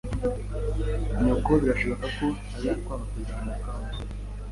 Nyoko birashoboka ko azakwanga kuzamuka umusozi